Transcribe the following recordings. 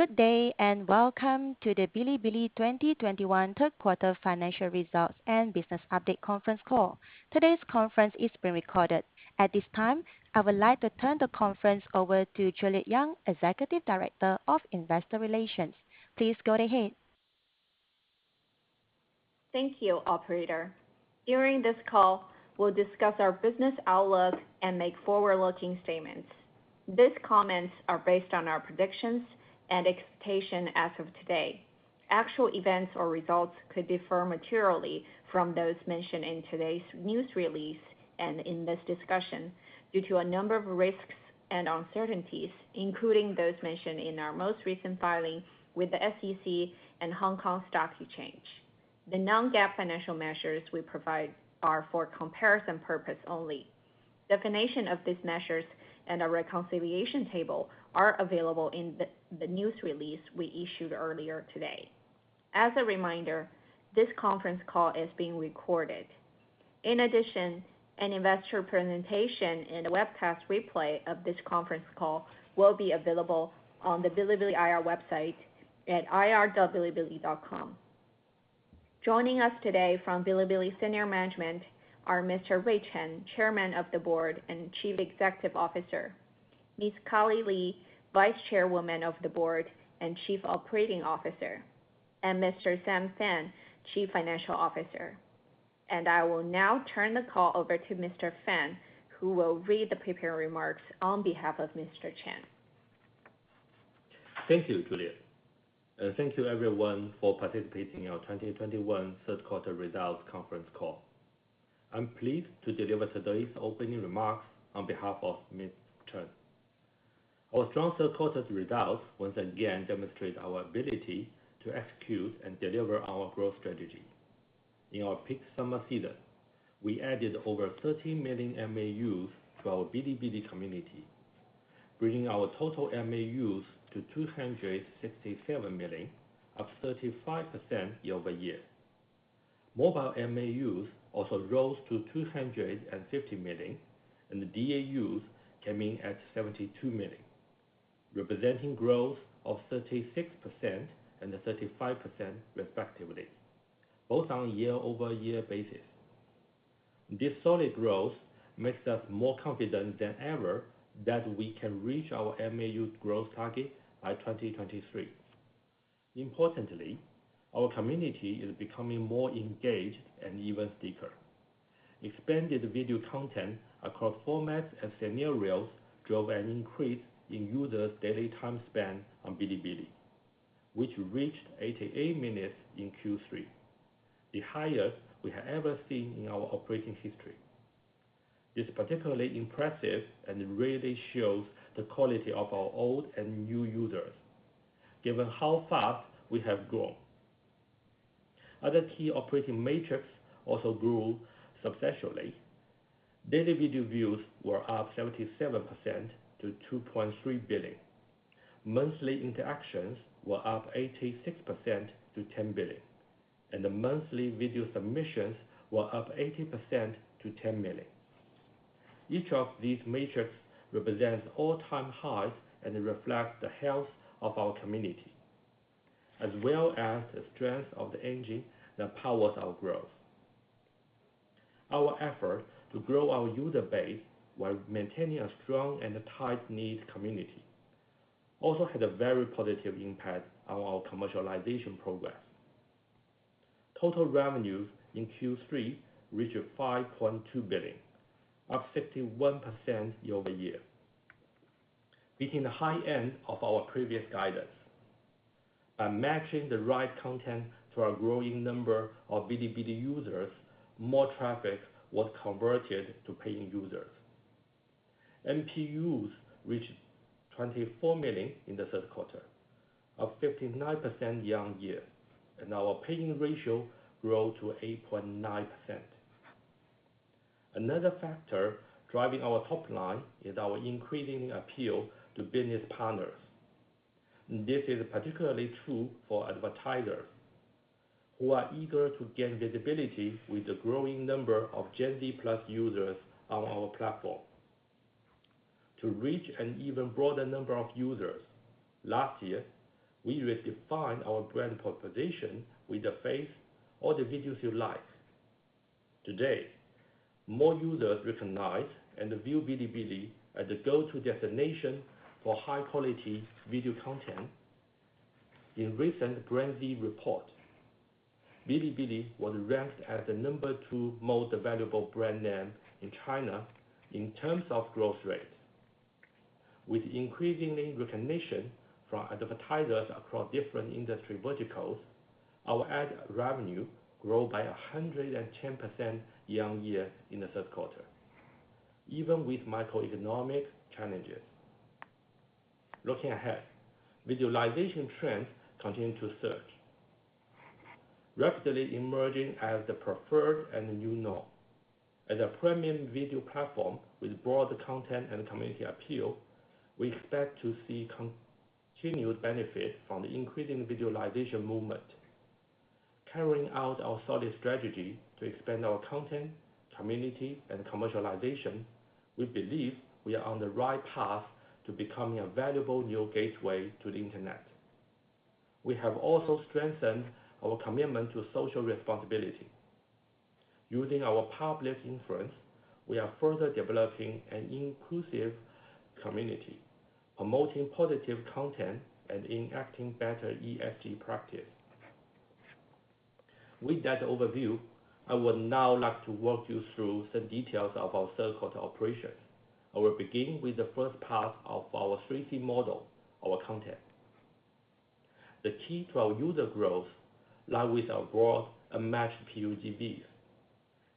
Good day, and welcome to the Bilibili 2021 third quarter financial results and business update conference call. Today's conference is being recorded. At this time, I would like to turn the conference over to Juliet Yang, Executive Director of Investor Relations. Please go ahead. Thank you, operator. During this call, we'll discuss our business outlook and make forward-looking statements. These comments are based on our predictions and expectation as of today. Actual events or results could differ materially from those mentioned in today's news release and in this discussion due to a number of risks and uncertainties, including those mentioned in our most recent filing with the SEC and Hong Kong Stock Exchange. The non-GAAP financial measures we provide are for comparison purpose only. Definition of these measures and a reconciliation table are available in the news release we issued earlier today. As a reminder, this conference call is being recorded. In addition, an investor presentation and a webcast replay of this conference call will be available on the Bilibili IR website at ir.bilibili.com. Joining us today from Bilibili senior management are Mr. Rui Chen, Chairman of the Board and Chief Executive Officer, Ms. Carly Li, Vice Chairwoman of the Board and Chief Operating Officer, and Mr. Xin Fan, Chief Financial Officer. I will now turn the call over to Mr. Fan, who will read the prepared remarks on behalf of Mr. Chen. Thank you, Juliet. Thank you everyone for participating in our 2021 Third Quarter Results conference call. I'm pleased to deliver today's opening remarks on behalf of Mr. Chen. Our strong third quarter's results once again demonstrate our ability to execute and deliver our growth strategy. In our peak summer season, we added over 30 million MAUs to our Bilibili community, bringing our total MAUs to 267 million, up 35% year-over-year. Mobile MAUs also rose to 250 million, and the DAUs came in at 72 million, representing growth of 36% and 35% respectively, both on year-over-year basis. This solid growth makes us more confident than ever that we can reach our MAU growth target by 2023. Importantly, our community is becoming more engaged and even stickier. Expanded video content across formats and scenarios drove an increase in users' daily time spent on Bilibili, which reached 88 minutes in Q3, the highest we have ever seen in our operating history. It's particularly impressive and really shows the quality of our old and new users, given how fast we have grown. Other key operating metrics also grew substantially. Daily video views were up 77%-2.3 billion. Monthly interactions were up 86%-10 billion, and the monthly video submissions were up 80%-10 million. Each of these metrics represents all-time highs and reflect the health of our community, as well as the strength of the engine that powers our growth. Our effort to grow our user base while maintaining a strong and tight-knit community also had a very positive impact on our commercialization progress. Total revenues in Q3 reached 5.2 billion, up 51% year-over-year, beating the high end of our previous guidance. By matching the right content to our growing number of Bilibili users, more traffic was converted to paying users. MPUs reached 24 million in the third quarter, up 59% year-over-year, and our paying ratio grew to 8.9%. Another factor driving our top line is our increasing appeal to business partners. This is particularly true for advertisers, who are eager to gain visibility with the growing number of Gen Z plus users on our platform. To reach an even broader number of users, last year, we redefined our brand proposition with the phrase, "All the videos you like." Today, more users recognize and view Bilibili as the go-to destination for high-quality video content. In recent BrandZ report, Bilibili was ranked as the number two most valuable brand in China in terms of growth rate. With increasing recognition from advertisers across different industry verticals, our ad revenue grew by 110% year-over-year in the third quarter, even with macroeconomic challenges. Looking ahead, visualization trends continue to surge, rapidly emerging as the preferred and new norm. As a premium video platform with broad content and community appeal, we expect to see continued benefit from the increasing visualization movement. Carrying out our solid strategy to expand our content, community, and commercialization, we believe we are on the right path to becoming a valuable new gateway to the internet. We have also strengthened our commitment to social responsibility. Using our public influence, we are further developing an inclusive community, promoting positive content, and enacting better ESG practice. With that overview, I would now like to walk you through some details of our third quarter operations. I will begin with the first part of our 3D model, our content. The key to our user growth lies with our broad unmatched PUGV's.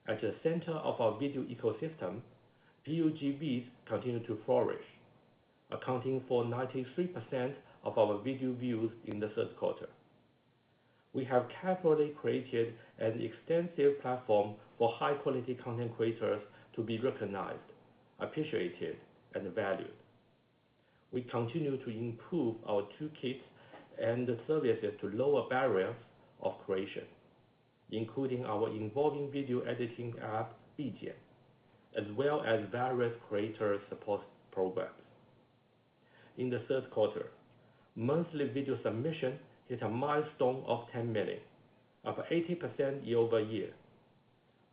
At the center of our video ecosystem, PUGV's continue to flourish, accounting for 93% of our video views in the third quarter. We have carefully created an extensive platform for high-quality content creators to be recognized, appreciated, and valued. We continue to improve our toolkits and services to lower barriers of creation, including our evolving video editing app, Bijian, as well as various creator support programs. In the third quarter, monthly video submission hit a milestone of 10 million, up 80% year-over-year.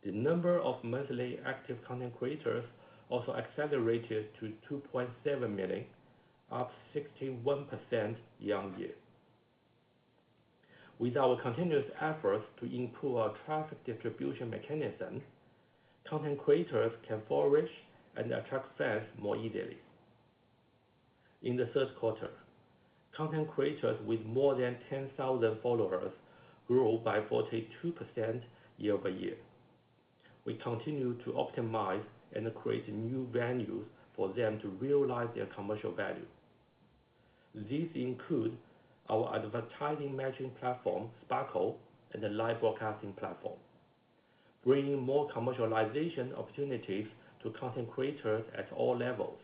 The number of monthly active content creators also accelerated to 2.7 million, up 61% year-over-year. With our continuous efforts to improve our traffic distribution mechanism, content creators can flourish and attract fans more easily. In the third quarter, content creators with more than 10,000 followers grew by 42% year-over-year. We continue to optimize and create new venues for them to realize their commercial value. These include our advertising matching platform, Sparkle, and the live broadcasting platform, bringing more commercialization opportunities to content creators at all levels.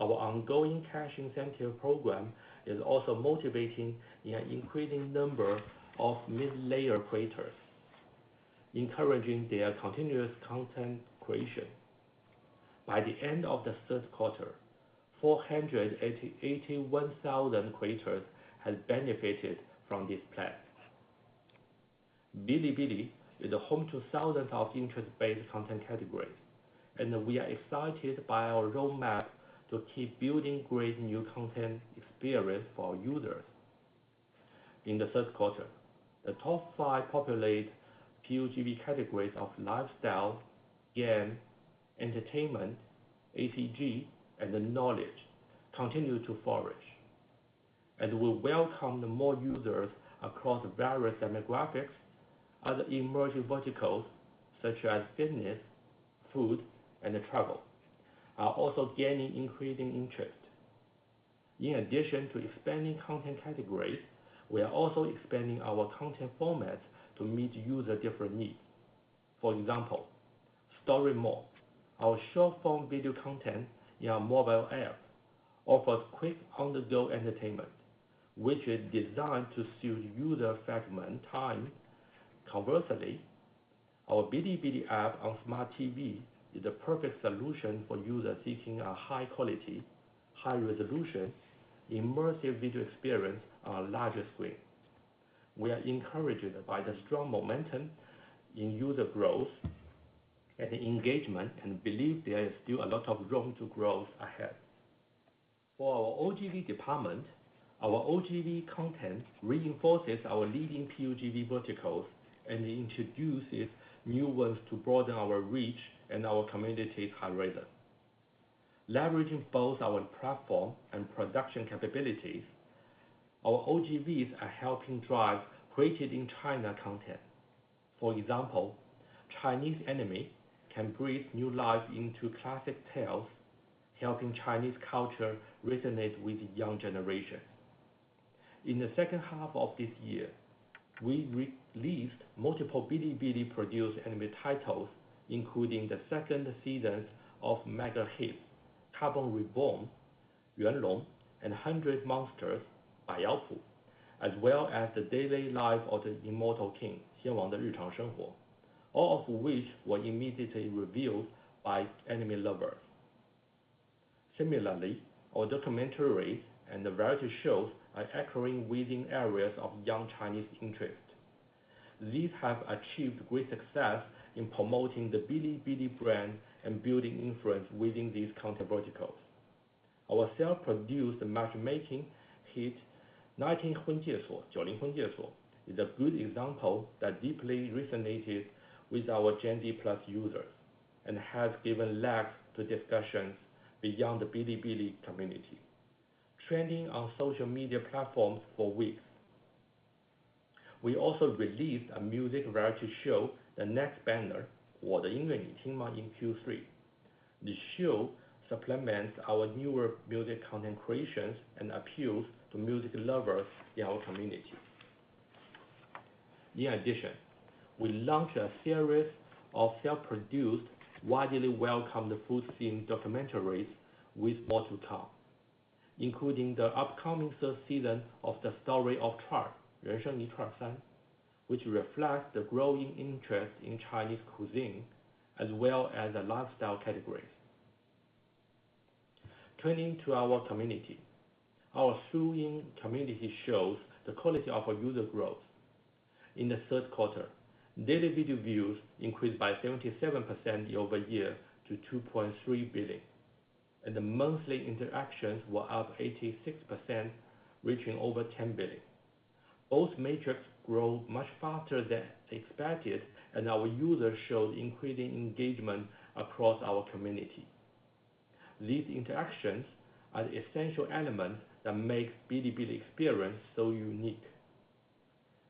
Our ongoing cash incentive program is also motivating an increasing number of mid-layer creators, encouraging their continuous content creation. By the end of the third quarter, 481,000 creators has benefited from this plan. Bilibili is home to thousands of interest-based content categories, and we are excited by our roadmap to keep building great new content experience for our users. In the third quarter, the top five popular PUGV categories of lifestyle, game, entertainment, ACG, and knowledge continue to flourish, and we welcomed more users across various demographics. Other emerging verticals such as fitness, food, and travel are also gaining increasing interest. In addition to expanding content categories, we are also expanding our content formats to meet users' different needs. For example, Story Mode, our short-form video content in our mobile app, offers quick on-the-go entertainment, which is designed to suit users fragmented time. Conversely, our Bilibili app on Smart TV is the perfect solution for users seeking a high quality, high resolution, immersive video experience on a larger screen. We are encouraged by the strong momentum in user growth and engagement, and believe there is still a lot of room to grow ahead. For our OGV department, our OGV content reinforces our leading PUGV verticals and introduces new ones to broaden our reach and our community's horizon. Leveraging both our platform and production capabilities, our OGV content is helping drive created in China content. For example, Chinese anime can breathe new life into classic tales, helping Chinese culture resonate with young generations. In the second half of this year, we released multiple Bilibili-produced anime titles, including the second seasons of Mega Hit, Carp Reborn, Yuan Long, and 100 Monster Bai Yao Pu, as well as The Daily Life of the Immortal King, Xian Wang de Richang Shenghuo, all of which were immediately reviewed by anime lovers. Similarly, our documentaries and variety shows are echoing within areas of young Chinese interest. These have achieved great success in promoting the Bilibili brand and building influence within these content verticals. Our self-produced matchmaking hit, 90 Hun Jie Suois a good example that deeply resonated with our Gen Z plus users and has given legs to discussions beyond the Bilibili community, trending on social media platforms for weeks. We also released a music variety show, The Next Banger, Wo De Yin Yue Ni Ting Ma, in Q3. This show supplements our newer music content creations and appeals to music lovers in our community. In addition, we launched a series of self-produced, widely welcomed food scene documentaries with Mo Tu Tao, including the upcoming third season of The Story of Chuaner, which reflects the growing interest in Chinese cuisine, as well as the lifestyle categories. Turning to our community. Our solid community shows the quality of our user growth. In the third quarter, daily video views increased by 77% year-over-year to 2.3 billion. The monthly interactions were up 86%, reaching over 10 billion. Both metrics grow much faster than expected, and our users showed increasing engagement across our community. These interactions are the essential elements that make Bilibili experience so unique.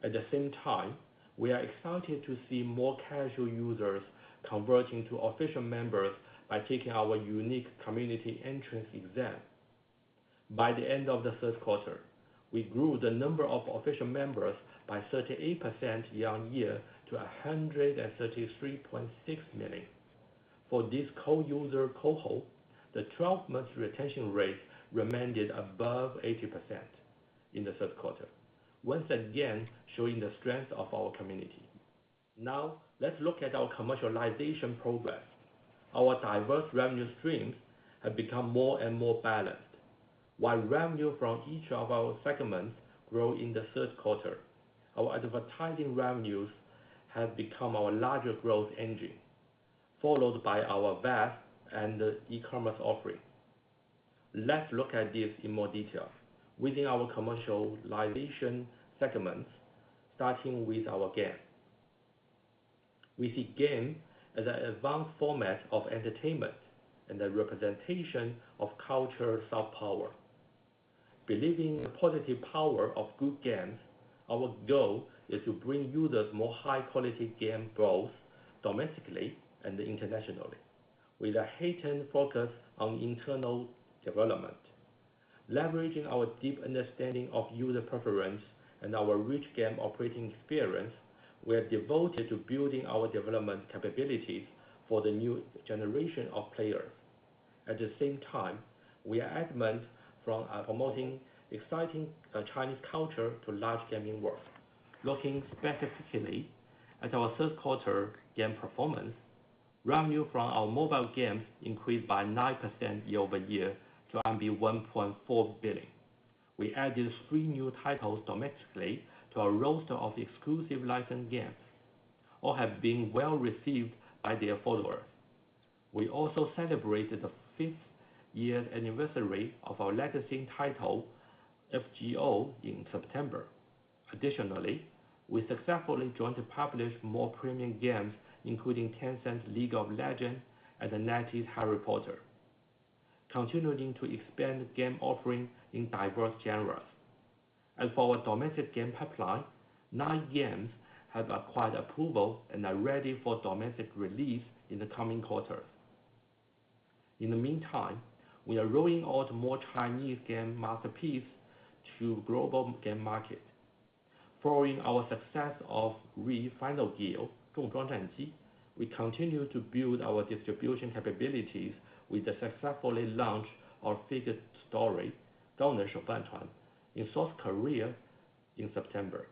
At the same time, we are excited to see more casual users converting to official members by taking our unique community entrance exam. By the end of the third quarter, we grew the number of official members by 38% year-on-year to 133.6 million. For this co-user cohort, the 12-month retention rate remained above 80% in the third quarter. Once again, showing the strength of our community. Now, let's look at our commercialization progress. Our diverse revenue streams have become more and more balanced. While revenue from each of our segments grow in the third quarter, our advertising revenues have become our largest growth engine, followed by our VAS and the e-commerce offering. Let's look at this in more detail. Within our commercialization segments, starting with our game. We see game as an advanced format of entertainment and a representation of culture soft power. Believing in the positive power of good games, our goal is to bring users more high quality game growth domestically and internationally with a heightened focus on internal development. Leveraging our deep understanding of user preference and our rich game operating experience, we are devoted to building our development capabilities for the new generation of players. At the same time, we are adamant about promoting exciting Chinese culture to large gaming world. Looking specifically at our third quarter game performance, revenue from our mobile games increased by 9% year-over-year to 1.4 billion. We added three new titles domestically to a roster of exclusive licensed games, all have been well-received by their followers. We also celebrated the fifth year anniversary of our legacy title, FGO, in September. Additionally, we successfully jointly publish more premium games, including Tencent's League of Legends and the NetEase Harry Potter, continuing to expand game offerings in diverse genres. As for our domestic game pipeline, nine games have acquired approval and are ready for domestic release in the coming quarters. In the meantime, we are rolling out more Chinese game masterpieces to global game market. Following our success of Final Gear called, [inaudible] we continue to build our distribution capabilities with the successful launch of Figure Story [inaudible] in South Korea in September.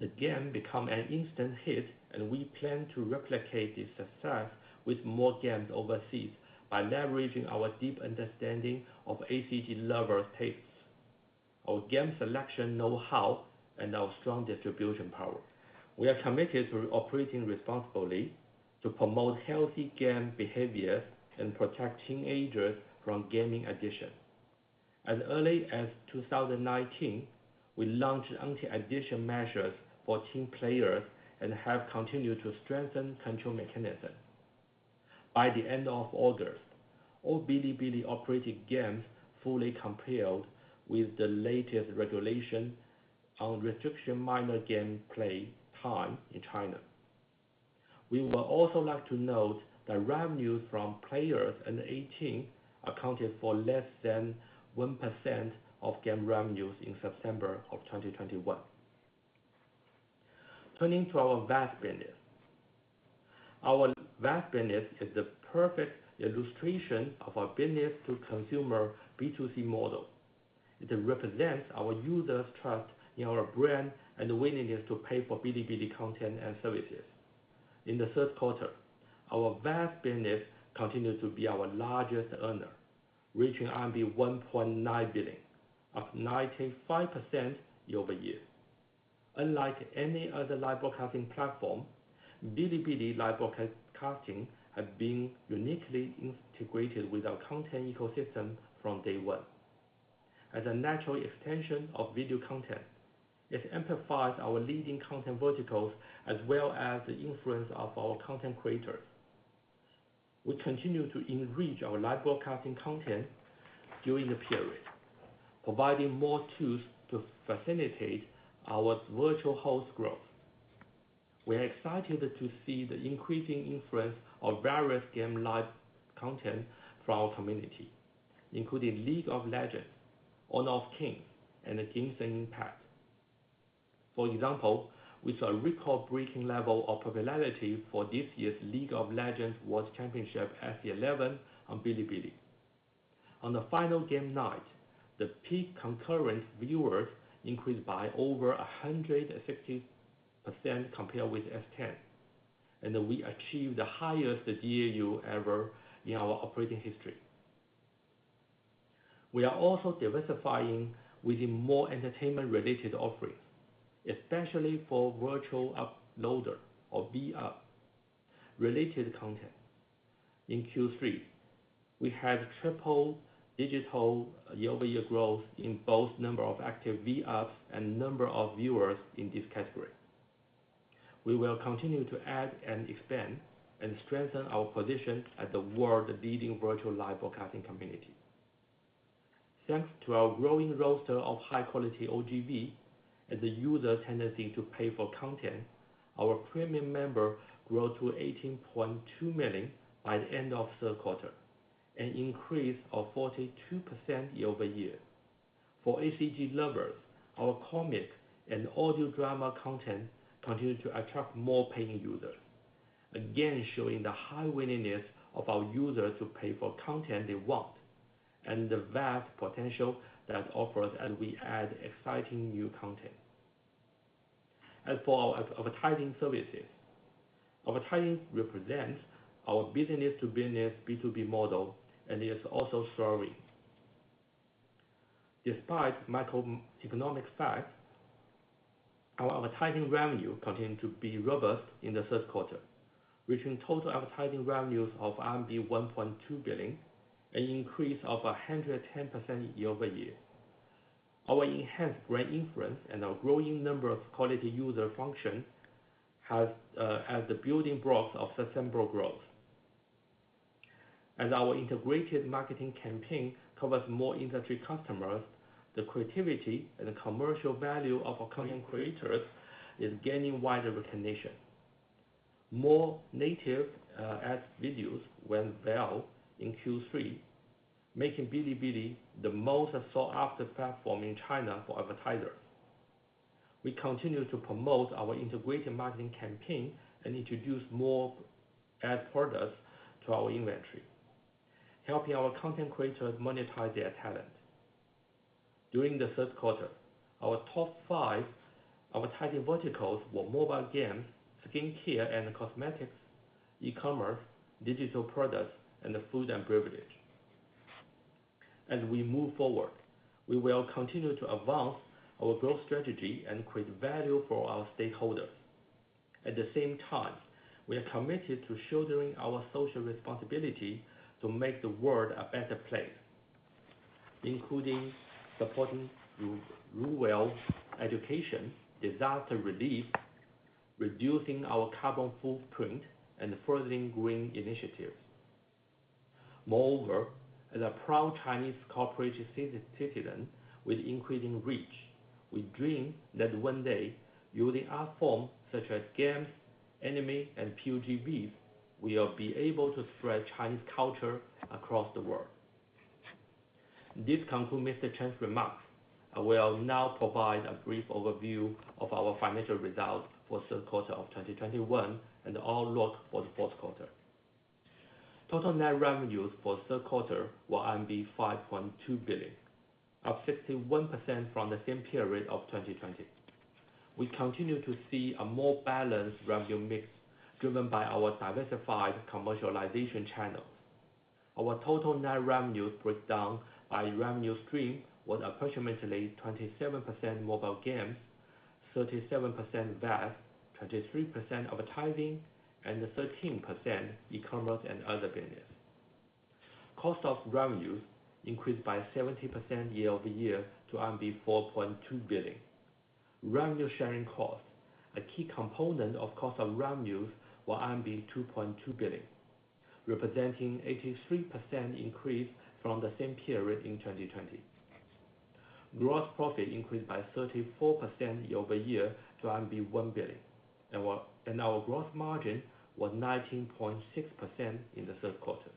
The game became an instant hit, and we plan to replicate this success with more games overseas by leveraging our deep understanding of ACG lovers' tastes. Our game selection know-how, and our strong distribution power. We are committed to operating responsibly to promote healthy game behaviors and protect teenagers from gaming addiction. As early as 2019, we launched anti-addiction measures for teen players and have continued to strengthen control mechanisms. By the end of August, all Bilibili operating games fully complied with the latest regulations on restricting minor game play time in China. We would also like to note that revenues from players under 18 accounted for less than 1% of game revenues in September of 2021. Turning to our VAS business. Our VAS business is the perfect illustration of our business-to-consumer B2C model. It represents our users' trust in our brand and willingness to pay for Bilibili content and services. In the third quarter, our VAS business continued to be our largest earner, reaching RMB 1.9 billion, up 95% year-over-year. Unlike any other live broadcasting platform, Bilibili live broadcasting have been uniquely integrated with our content ecosystem from day one. As a natural extension of video content, it amplifies our leading content verticals as well as the influence of our content creators. We continue to enrich our live broadcasting content during the period, providing more tools to facilitate our virtual host growth. We are excited to see the increasing influence of various game live content from our community, including League of Legends, Honor of Kings, and Genshin Impact. For example, we saw a record-breaking level of popularity for this year's League of Legends World Championship, S11, on Bilibili. On the final game night, the peak concurrent viewers increased by over 160% compared with S10, and we achieved the highest DAU ever in our operating history. We are also diversifying within more entertainment-related offerings, especially for Virtual Uploader or VU related content. In Q3, we had triple-digit year-over-year growth in both number of active VUs and number of viewers in this category. We will continue to add and expand and strengthen our position as the world's leading virtual live broadcasting community. Thanks to our growing roster of high-quality OGV and the user tendency to pay for content, our premium member grew to 18.2 million by the end of third quarter, an increase of 42% year-over-year. For ACG lovers, our comic and audio drama content continued to attract more paying users. Again, showing the high willingness of our users to pay for content they want, and the vast potential that offers as we add exciting new content. As for our advertising services, advertising represents our business-to-business B2B model and is also thriving. Despite macroeconomic sides, our advertising revenue continued to be robust in the third quarter, reaching total advertising revenues of RMB 1.2 billion, an increase of 110% year-over-year. Our enhanced brand influence and our growing number of quality user functions has as the building blocks of sustainable growth. As our integrated marketing campaign covers more industry customers, the creativity and the commercial value of our content creators is gaining wider recognition. More native ad videos went well in Q3, making Bilibili the most sought-after platform in China for advertisers. We continue to promote our integrated marketing campaign and introduce more ad products to our inventory, helping our content creators monetize their talent. During the third quarter, our top five advertising verticals were mobile games, skincare and cosmetics, e-commerce, digital products, and food and beverage. As we move forward, we will continue to advance our growth strategy and create value for our stakeholders. At the same time, we are committed to shouldering our social responsibility to make the world a better place, including supporting rural education, disaster relief, reducing our carbon footprint, and furthering green initiatives. Moreover, as a proud Chinese corporate citizen with increasing reach, we dream that one day, using art forms such as games, anime, and PUGVs, we will be able to spread Chinese culture across the world. This concludes Mr. Chen's remarks. I will now provide a brief overview of our financial results for third quarter of 2021 and outlook for the fourth quarter. Total net revenues for third quarter were 5.2 billion, up 61% from the same period of 2020. We continue to see a more balanced revenue mix driven by our diversified commercialization channels. Our total net revenues breakdown by revenue stream was approximately 27% mobile games, 37% VAS, 33% advertising, and 13% e-commerce and other business. Cost of revenues increased by 70% year-over-year to RMB 4.2 billion. Revenue sharing costs, a key component of cost of revenues, were 2.2 billion, representing 83% increase from the same period in 2020. Gross profit increased by 34% year-over-year to 1 billion. Our gross margin was 19.6% in the third quarter.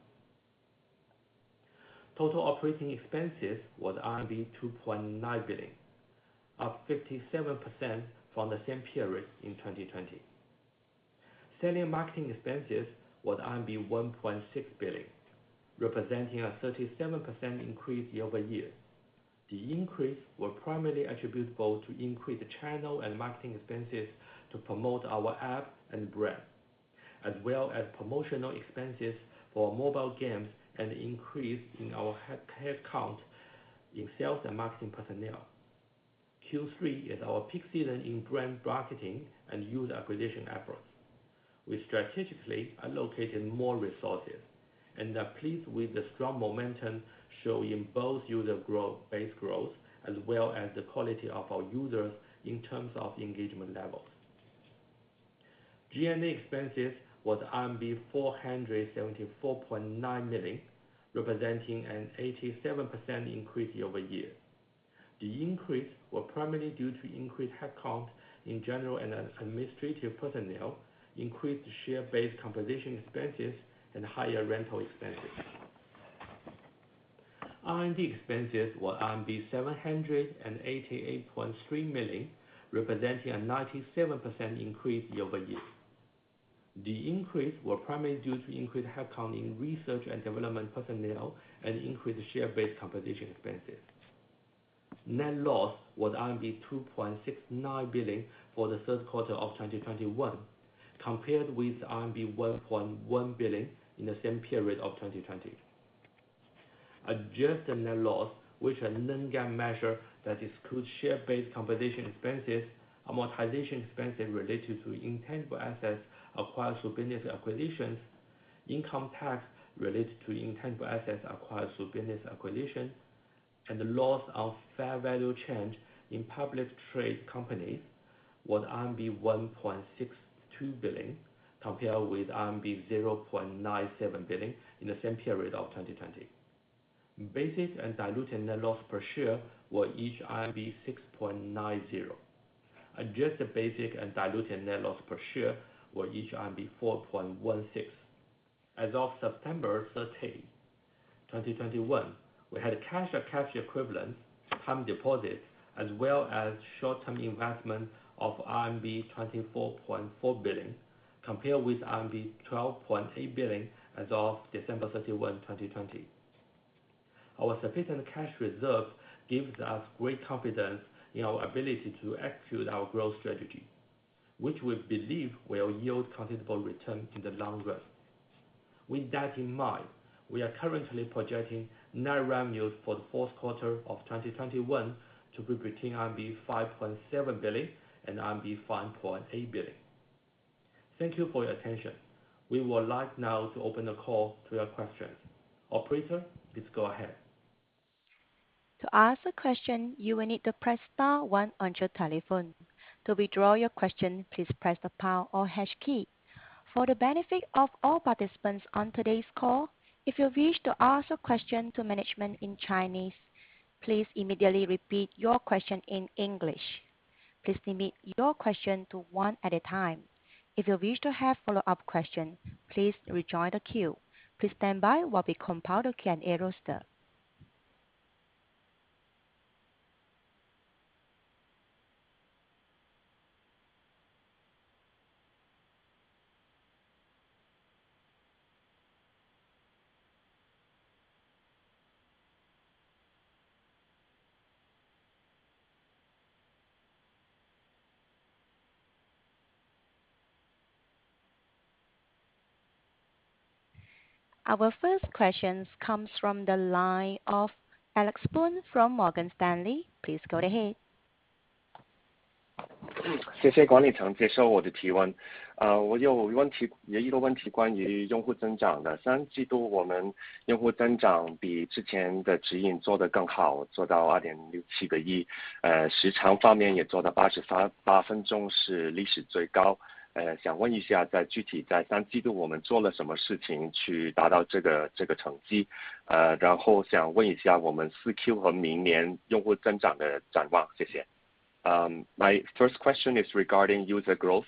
Total operating expenses was RMB 2.9 billion, up 57% from the same period in 2020. Selling marketing expenses was 1.6 billion, representing a 37% increase year-over-year. The increase were primarily attributable to increased channel and marketing expenses to promote our app and brand, as well as promotional expenses for mobile game, and increase in our headcount in sales and marketing personnel. Q3 is our peak season in brand marketing and user acquisition efforts. We strategically are allocating more resources and are pleased with the strong momentum, showing both user growth-based growth as well as the quality of our users in terms of engagement levels. G&A expenses was RMB 474.9 million, representing an 87% increase year-over-year. The increase were primarily due to increased headcount in general and administrative personnel, increased share-based compensation expenses, and higher rental expenses. R&D expenses were RMB 788.3 million, representing a 97% increase year-over-year. The increase were primarily due to increased headcount in research and development personnel and increased share-based compensation expenses. Net loss was billion for the third quarter of 2021, compared with 1.1 billion in the same period of 2020. Adjusted net loss, which a non-GAAP measure that excludes share-based compensation expenses, amortization expenses related to intangible assets acquired through business acquisitions, income tax related to intangible assets acquired through business acquisition, and the loss of fair value change in public trade companies was RMB 1.62 billion compared with RMB 0.97 billion in the same period of 2020. Basic and diluted net loss per share were each RMB 6.90. Adjusted basic and diluted net loss per share were each 4.16. As of September 13, 2021, we had a cash or cash equivalent time deposit as well as short-term investment of RMB 24.4 billion, compared with RMB 12.8 billion as of December 31, 2020. Our sufficient cash reserves gives us great confidence in our ability to execute our growth strategy, which we believe will yield considerable return in the long run. With that in mind, we are currently projecting net revenues for the fourth quarter of 2021 to be between RMB 5.7 billion and RMB 5.8 billion. Thank you for your attention. We would like now to open the call to your questions. Operator, please go ahead. To ask a question you will need to press start one on your telephone. To withdraw the question you will need to press star one and the pound key. For the benefit of all participants on today's call, if you wish to ask a question to management in Chinese, please immediately repeat your question in English. Please limit your question to one at a time. Our first question comes from the line of Alex Poon from Morgan Stanley. Please go ahead. [unintelligible] My first question is regarding user growth.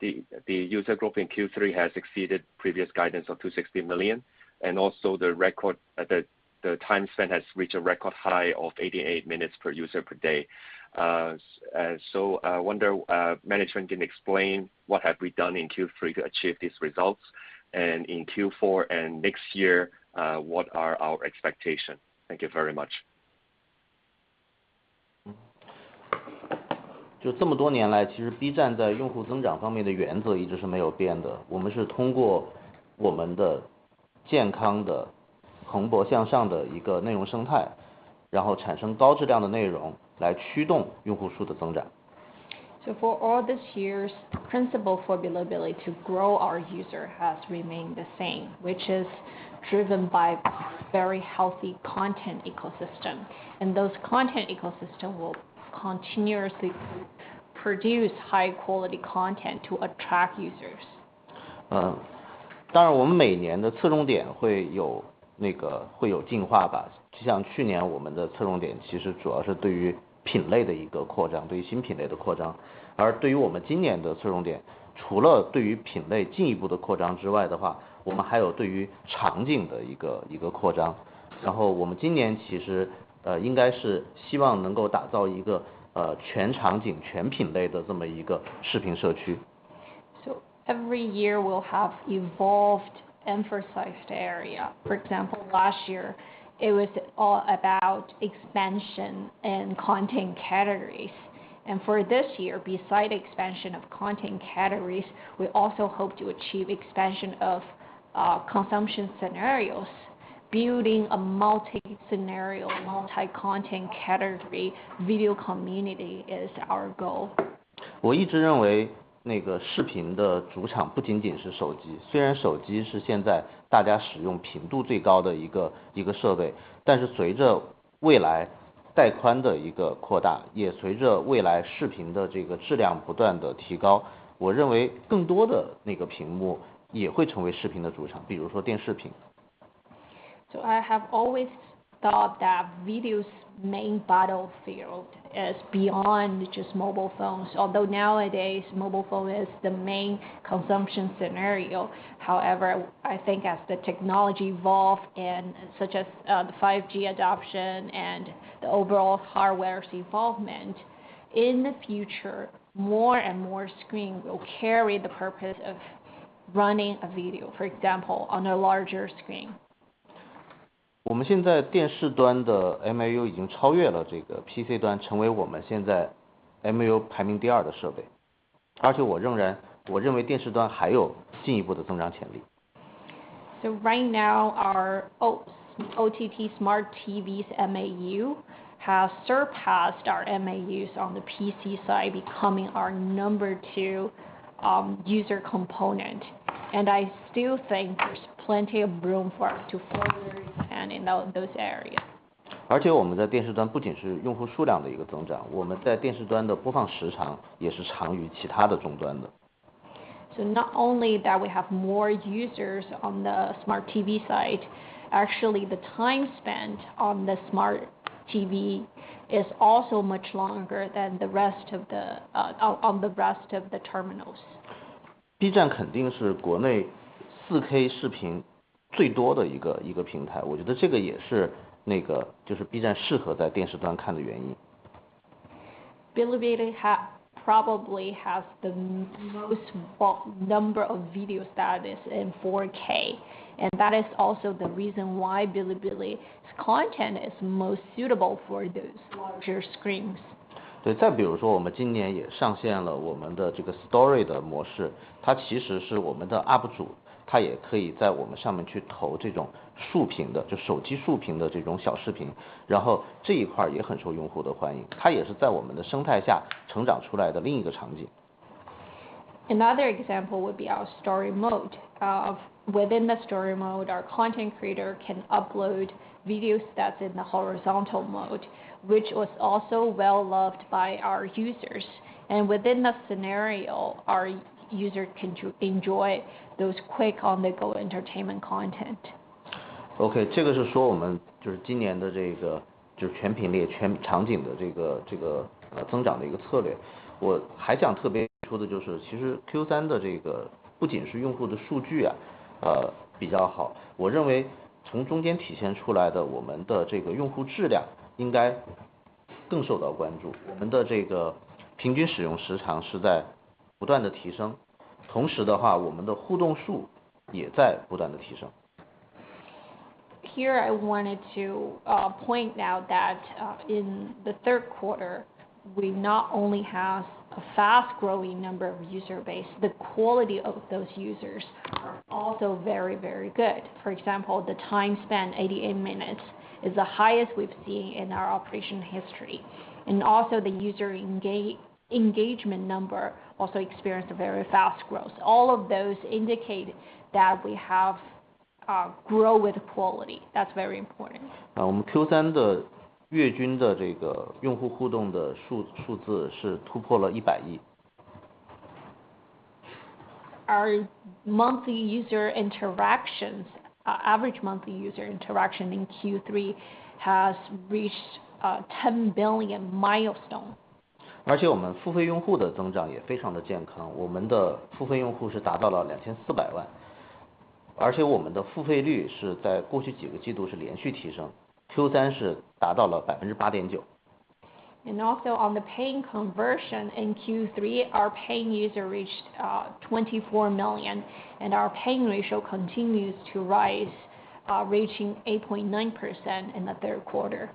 The user growth in Q3 has exceeded previous guidance of 260 million, and also the record of the time spent has reached a record high of 88 minutes per user per day. I wonder, management can explain what have we done in Q3 to achieve these results? And in Q4 and next year, what are our expectations? Thank you very much. [unintelligible] For all this years, principles for Bilibili to grow, our users have remained the same, which is driven by very healthy content ecosystem, and the content ecosystem will continuously produce high-quality content to attract users. [unintelligible] Every year we'll have evolved emphasized areas. For example, last year it was all about expansion in content categories. And for this year, besides expansion of content categories, we also hope to achieve expansion of consumption scenarios. Building a multi-scenario, multi-content category video community is our goal. [unintelligible] I have always thought that video's main battlefield is beyond just mobile phones, although nowadays mobile phone is the main consumption scenario. However, I think as the technology evolves and such as, the 5G adoption and the overall hardware's involvement, in the future, more and more screens will carry the purpose of running a video, for example, on a larger screen. [unintelligible] So right now, our OTT Smart TV's MAU has surpassed our MAUs on the PC side, becoming our number two user component. And I still think there's plenty of room for it to further expand in those areas. [unintelligible] So not only that we have more users on the Smart TV side. Actually the time spent on the Smart TV is also much longer than the rest of the terminals. [unintelligible] Bilibili probably has the most number of video that is in 4K, and that is also the reason why Bilibili's content is most suitable for those larger screens. [unintelligible] Another example would be our Story Mode. Within the Story Mode, our content creator can upload videos that's in the horizontal mode, which was also well-loved by our users. And within that scenario, our user can enjoy those quick on-the-go entertainment content. [unintelligible] Here I wanted to point out that in the third quarter, we not only have a fast-growing number of user base, the quality of those users are also very, very good. For example, the time spent, 88 minutes, is the highest we've seen in our operation history. And also the user engagement number also experienced a very fast growth. All of those indicate that we have grow with quality. That's very important. [unintelligible] Our monthly user interactions, our average monthly user interaction in Q3 has reached a 10 billion milestone. [unintelligible] And also, on the paying conversion in Q3, our paying user reached 24 million, and our paying ratio continues to rise, reaching 8.9% in the third quarter.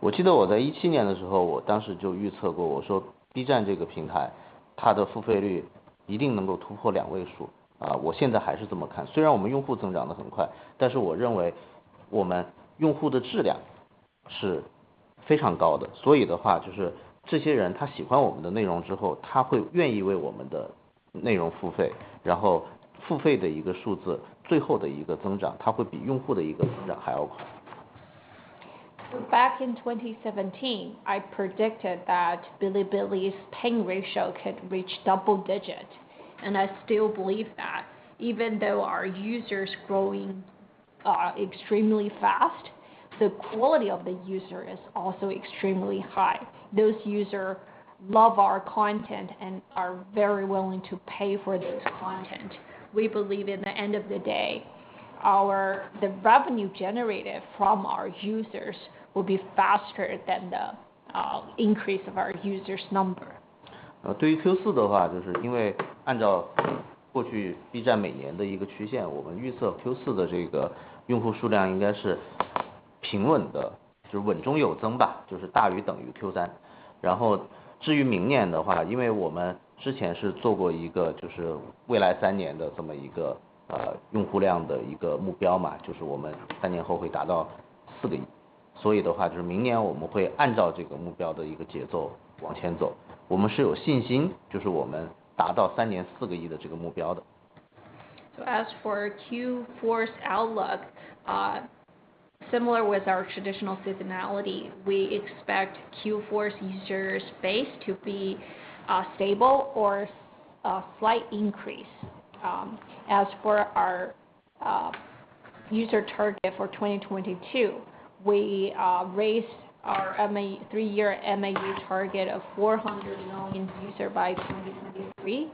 [unintelligible] Back in 2017, I predicted that Bilibili's paying ratio could reach double-digit, and I still believe that. Even though our users growing extremely fast, the quality of the user is also extremely high. Those user love our content and are very willing to pay for those content. We believe in the end of the day, the revenue generated from our users will be faster than the increase of our users' number. [unintelligible] As for Q4's outlook, similar with our traditional seasonality, we expect Q4's user base to be stable or a slight increase. As for our user target for 2022, we have raised our three-year MAU target of 400 million users by 2023.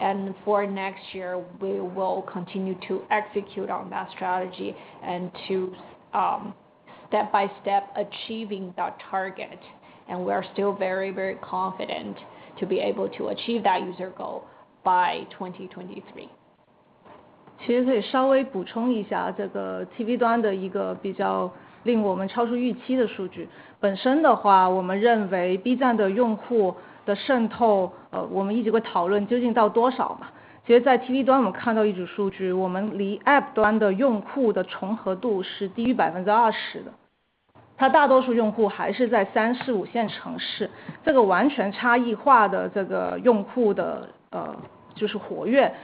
And for next year, we will continue to execute on that strategy and to step by step achieve that target. And we are still very confident to be able to achieve that user goal by 2023. [unintelligible] One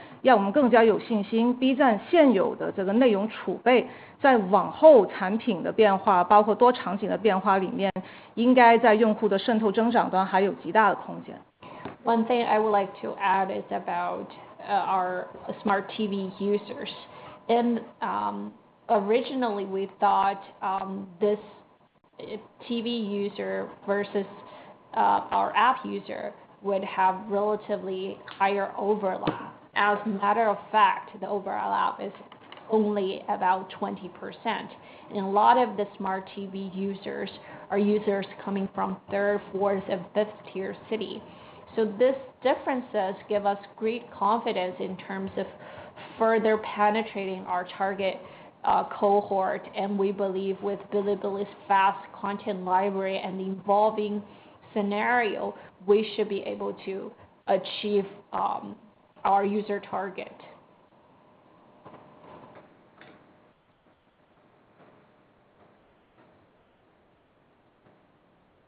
thing I would like to add is about our Smart TV users. And originally, we thought this TV user versus our app user would have relatively higher overlap. As a matter of fact, the overlap is only about 20% and a lot of the Smart TV users are users coming from third, fourth and fifth tier city. These differences give us great confidence in terms of further penetrating our target cohort. We believe with Bilibili's fast content library and evolving scenario, we should be able to achieve our user target.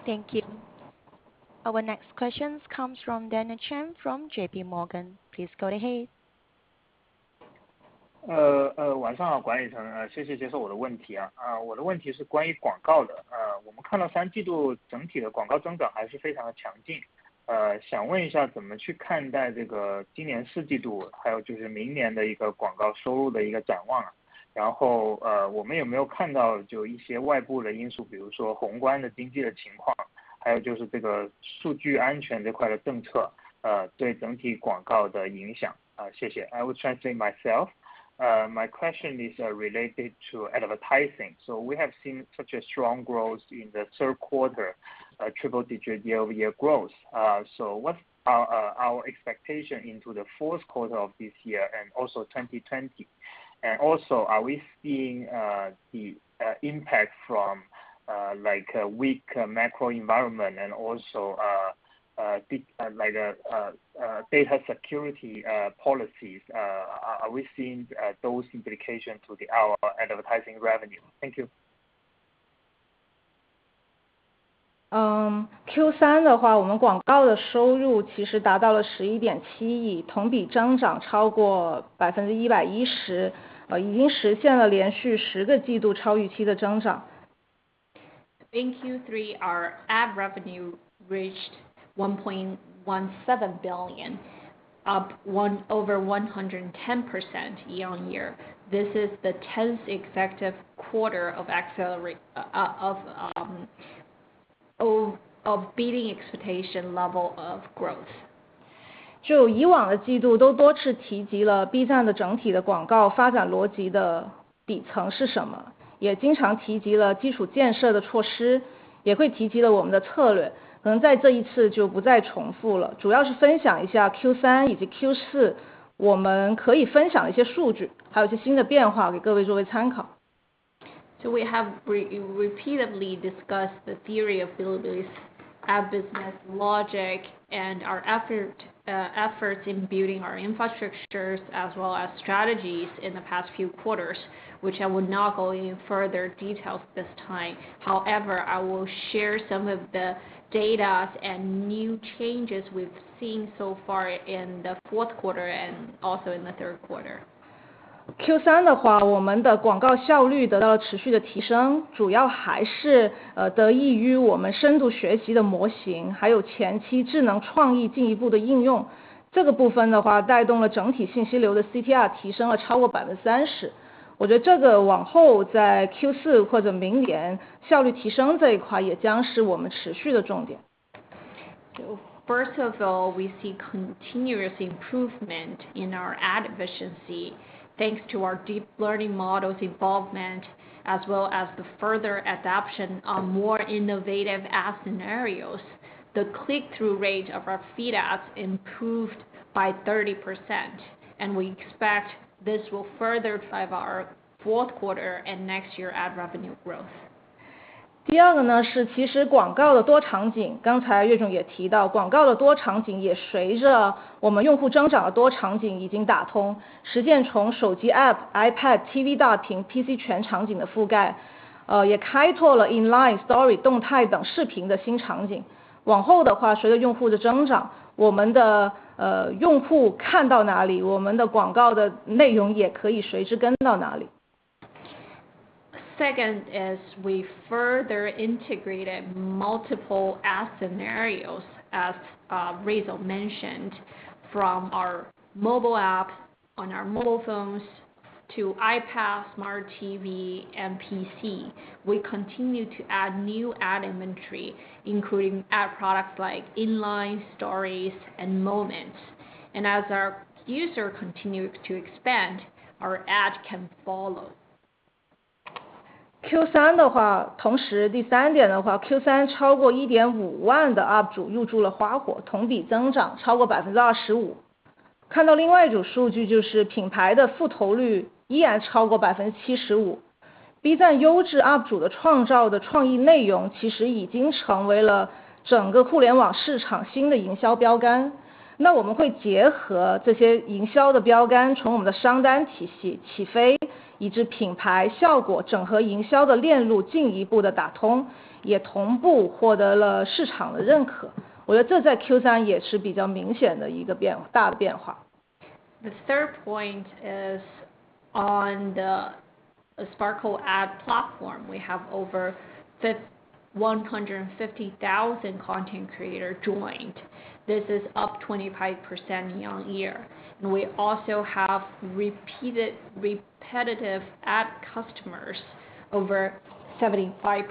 Thank you. Our next question comes from Daniel Chen from J.P. Morgan. Please go ahead. [unintelligible] I was translating myself. My question is related to advertising. So we have seen such a strong growth in the third quarter, a triple-digit year-over-year growth. What's our expectation into the fourth quarter of this year and also 2020? And also, are we seeing the impact from like a weak macro environment and also like a data security policies? Are we seeing those implications to our advertising revenue? Thank you. [unintelligible] In Q3, our ad revenue reached 1.17 billion, up over 110% year-on-year. This is the 10th consecutive quarter of beating expectation level of growth. [unintelligible] So we have repeatedly discussed the theory of Bilibili's ad business logic and our efforts in building our infrastructures as well as strategies in the past few quarters, which I would not go into further details this time. However, I will share some of the data and new changes we've seen so far in the fourth quarter and also in the third quarter. [unintelligible] First of all, we see continuous improvement in our ad efficiency thanks to our deep learning models' involvement as well as the further adoption of more innovative ad scenarios. The click-through rate of our feed ads improved by 30%, and we expect this will further drive our fourth quarter and next year ad revenue growth. [unintelligible] Second, we further integrated multiple ad scenarios, as Razor mentioned, from our mobile app on our mobile phones to iPad, Smart TV, and PC. We continue to add new ad inventory, including ad products like inline, stories, and moments. As our user continues to expand, our ad can follow. [unintelligible] The third point is on the Sparkle ad platform. We have over 150,000 content creators joined. This is up 25% year-over-year. We also have repetitive ad customers over 75%.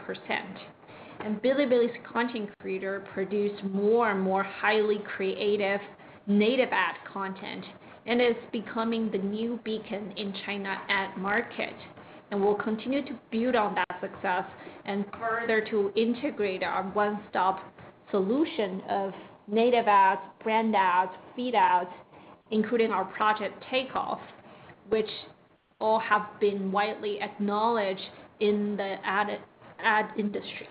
Bilibili's content creators produced more and more highly creative native ad content, and is becoming the new beacon in China Ad Market. We'll continue to build on that success and further to integrate our one-stop solution of native ads, brand ads, feed ads, including our project take-off, which all have been widely acknowledged in the ad industry.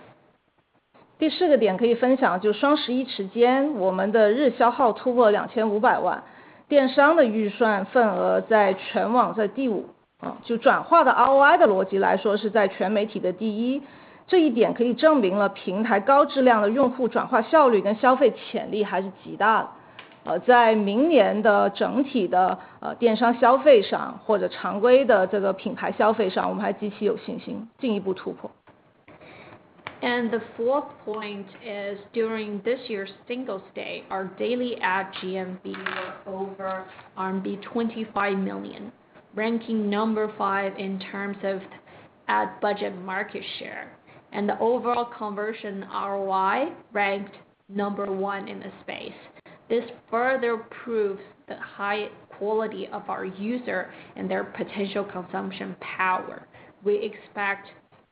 [unintelligible] The fourth point is during this year's Singles' Day, our daily ad GMV was over RMB 25 million, ranking number five in terms of ad budget market share. The overall conversion ROI ranked number one in the space. This further proves the high quality of our user and their potential consumption power. We expect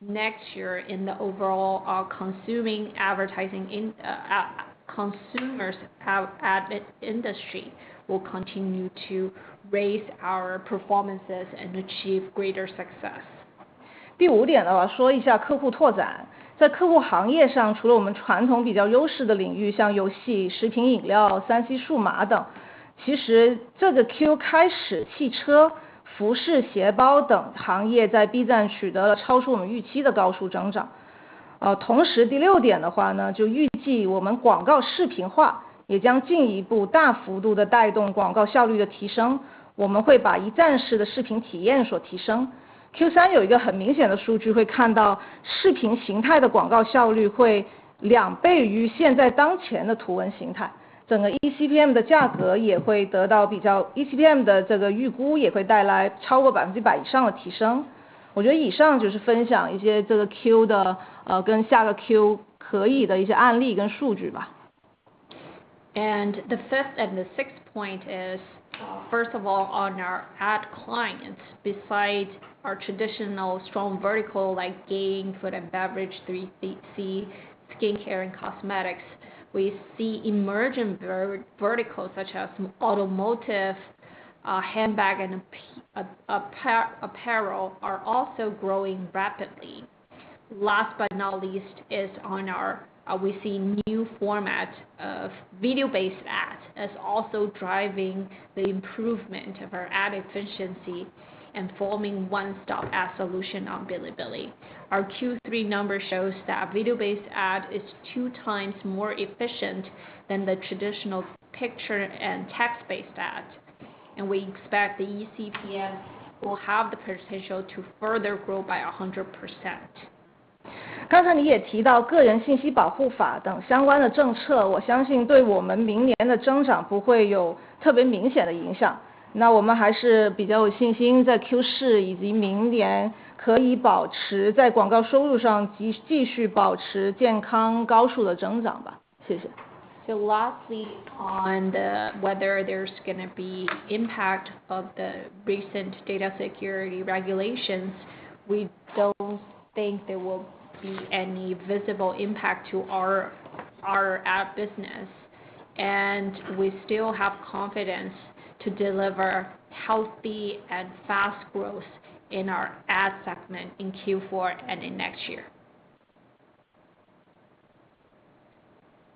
next year in the overall consumer advertising industry will continue to raise our performances and achieve greater success. [unintelligible] And the fifth and the sixth point is, first of all, on our ad clients, besides our traditional strong vertical like game, food and beverage, 3C, skincare and cosmetics, we see emerging verticals such as automotive, handbag and apparel are also growing rapidly. Last but not least is on our, we see new format of video-based ad as also driving the improvement of our ad efficiency and forming one-stop ad solution on Bilibili. Our Q3 number shows that video-based ad is two times more efficient than the traditional picture and text-based ads, and we expect the ECPS will have the potential to further grow by 100%. [unintelligible] Lastly, on whether there's gonna be impact of the recent data security regulations, we don't think there will be any visible impact to our ad business. And we still have confidence to deliver healthy and fast growth in our ad segment in Q4 and in next year.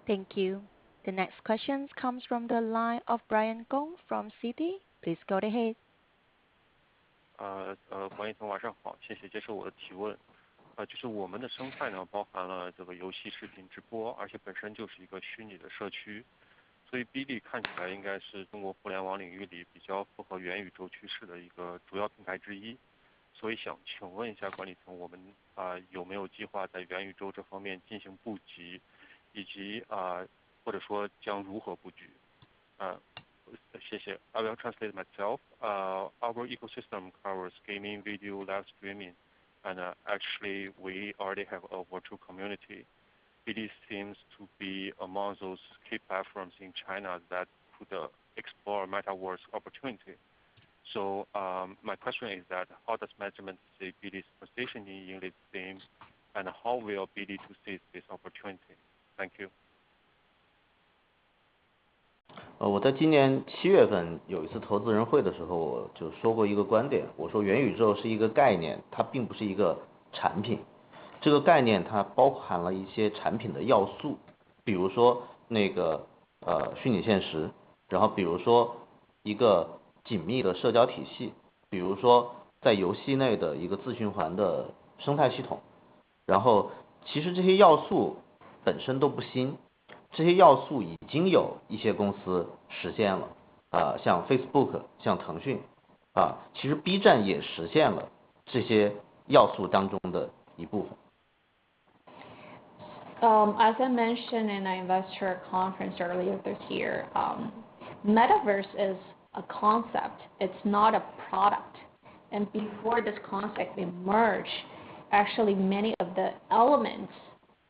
Thank you. The next question comes from the line of Brian Gong from Citi. Please go ahead. [unintelligible] I will translate myself. Our ecosystem covers gaming, video, live streaming. And actually we already have a virtual community. Bilibili seems to be among those key platforms in China that could explore Metaverse opportunity. So, my question is how does management see Bilibili's position in this theme, and how will Bilibili seize this opportunity? Thank you. [unintelligible] As I mentioned in our investor conference earlier this year, Metaverse is a concept. It's not a product. Before this concept emerged, actually many of the elements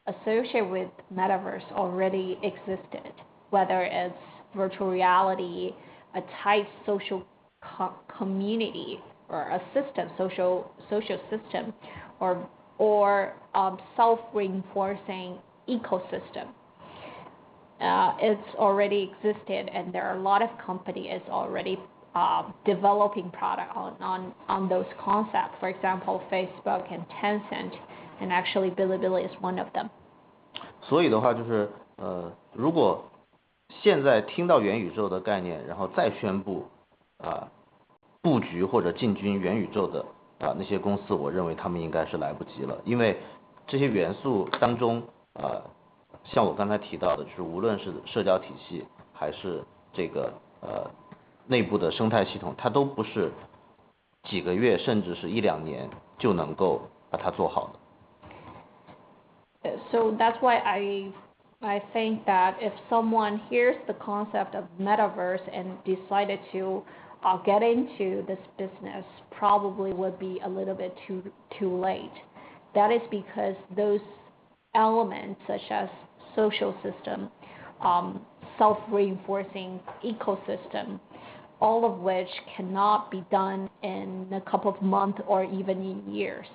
associated with Metaverse already existed, whether it's virtual reality, a tight social community or a system, social system, or self-reinforcing ecosystem, it's already existed, and there are a lot of companies already developing product on those concepts. For example, Facebook and Tencent. And actually Bilibili is one of them. [unintelligible] So, that's why I think that if someone hears the concept of Metaverse and decided to get into this business probably would be a little bit too late. That is because those elements such as social system, self-reinforcing ecosystem, all of which cannot be done in a couple of months or even years.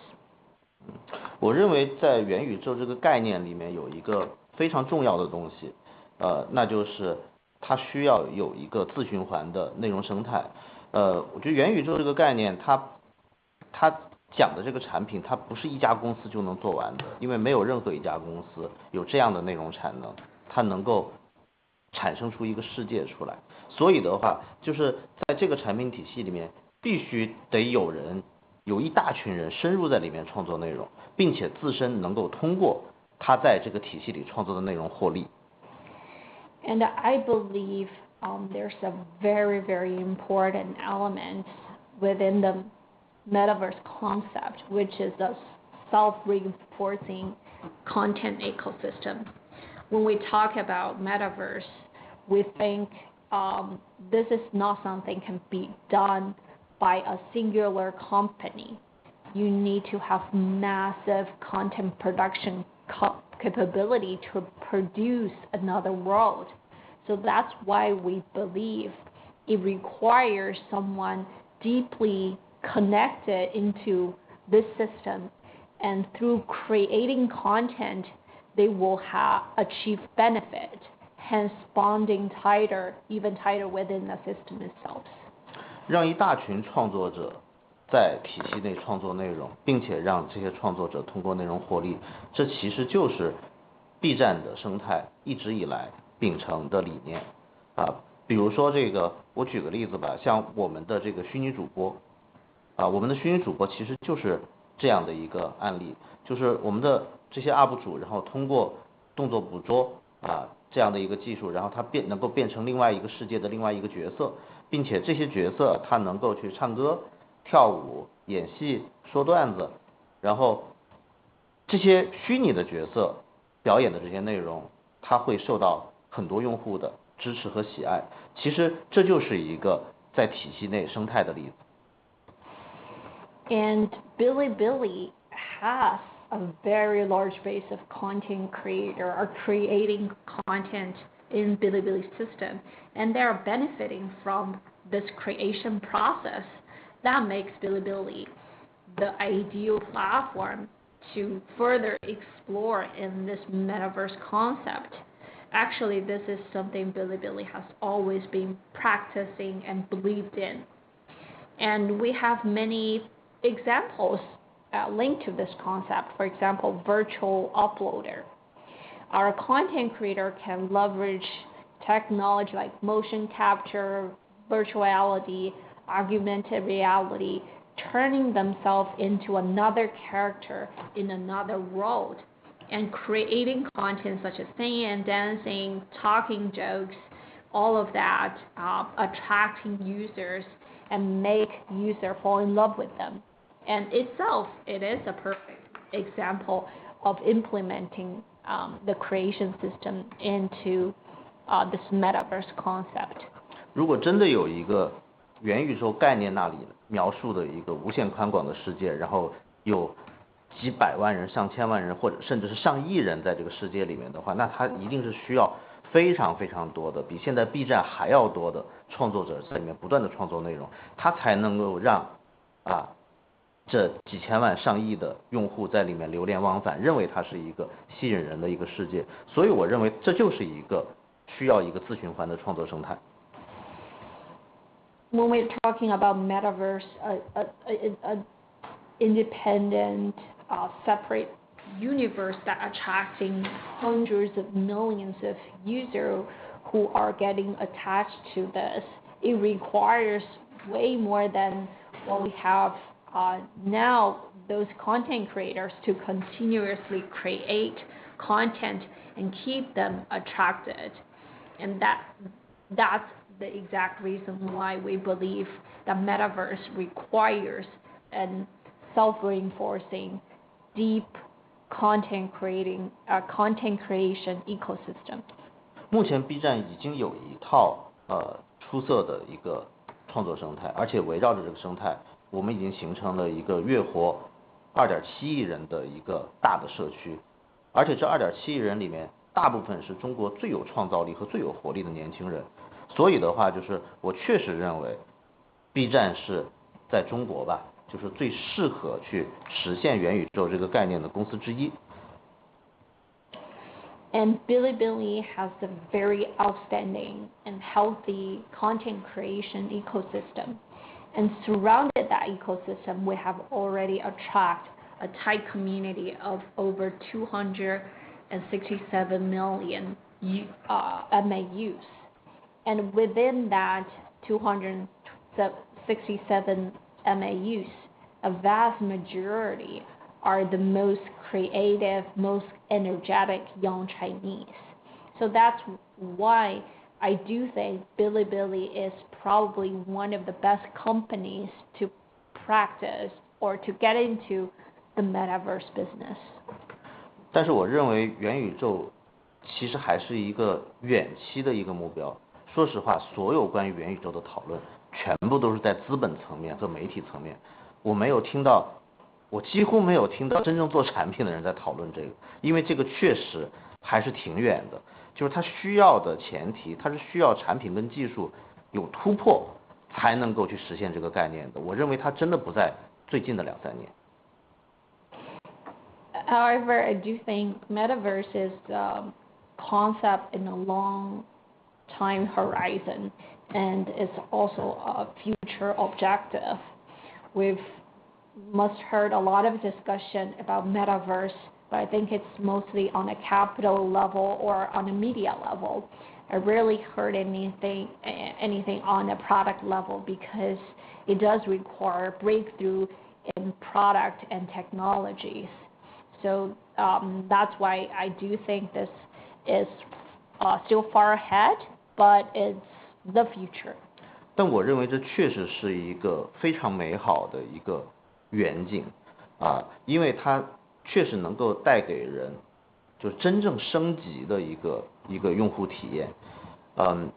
[unintelligible] And I believe, there's a very, very important element within the Metaverse concept, which is the self-reinforcing content ecosystem. When we talk about Metaverse, we think, this is not something can be done by a singular company. You need to have massive content production capability to produce another world. So that's why we believe it requires someone deeply connected into this system, and through creating content, they will achieve benefit, hence bonding tighter, even tighter within the system itself. [unintelligible] And Bilibili has a very large base of content creators are creating content in Bilibili system, and they are benefiting from this creation process. That makes Bilibili the ideal platform to further explore in this Metaverse concept. Actually, this is something Bilibili has always been practicing and believed in. And we have many examples linked to this concept. For example, Virtual Uploader. Our content creators can leverage technology like motion capture, virtual reality, augmented reality, turning themselves into another character in another world, and creating content such as singing, dancing, telling jokes, all of that, attracting users and making users fall in love with them. Itself, it is a perfect example of implementing the creation system into this Metaverse concept. [unintelligible] When we're talking about Metaverse, independent, separate universe that attracting hundreds of millions of users who are getting attached to this, it requires way more than what we have now those content creators to continuously create content and keep them attracted. And that's the exact reason why we believe that Metaverse requires a self-reinforcing, deep content-creation ecosystem. [unintelligible] And Bilibili has a very outstanding and healthy content creation ecosystem. And surrounding that ecosystem, we have already attracted a tight community of over 267 million MAUs. And within that 267 million MAUs, a vast majority are the most creative, most energetic young Chinese. So that's why I do think Bilibili is probably one of the best companies to practice or to get into the Metaverse business. [unintelligible] However, I do think Metaverse is the concept in a long-time horizon, and it's also a future objective. We must have heard a lot of discussion about Metaverse, but I think it's mostly on a capital level or on a media level. I rarely heard anything on a product level, because it does require breakthrough in product and technologies. So that's why I do think this is still far ahead, but it's the future. [unintelligible] I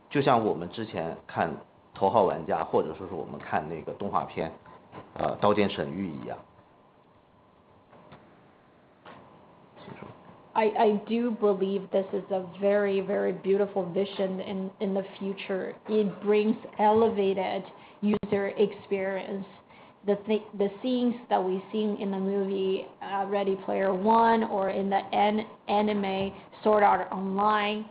do believe this is a very, very beautiful vision in the future. It brings elevated user experience. The scenes that we've seen in the movie Ready Player One or in the anime Sword Art Online,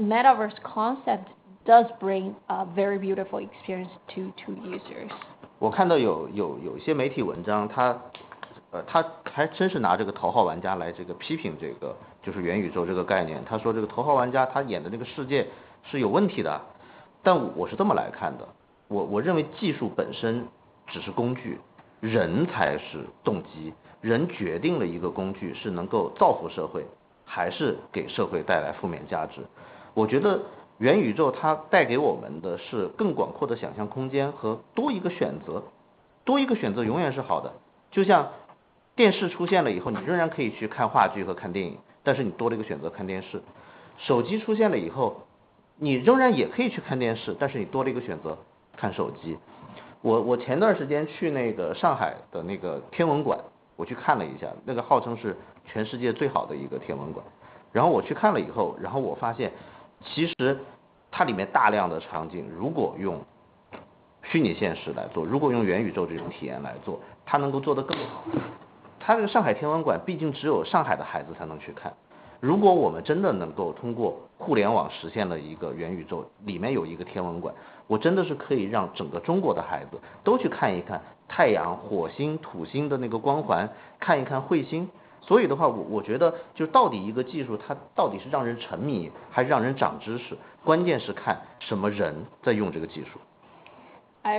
this Metaverse concept does bring a very beautiful experience to users. [unintelligible] I